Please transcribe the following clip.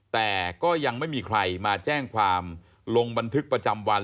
แต่ก็ยังไม่มีใครมาแจ้งความลงบันทึกประจำวัน